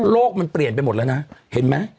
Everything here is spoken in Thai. มันเปลี่ยนไปหมดแล้วนะเห็นไหม